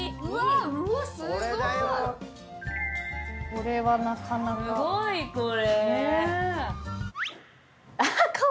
これはなかなか。